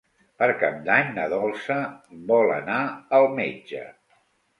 Per Cap d'Any na Dolça vol anar al metge.